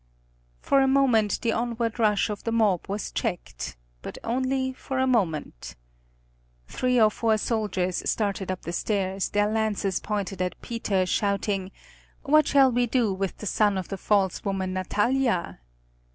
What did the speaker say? For a moment the onward rush of the mob was checked, but only for a moment. Three or four soldiers started up the stairs, their lances pointed at Peter, shouting, "What shall we do with the son of the false woman Natalia?"